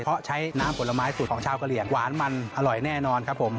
เพราะใช้น้ำผลไม้สูตรของชาวกะเหลี่ยงหวานมันอร่อยแน่นอนครับผม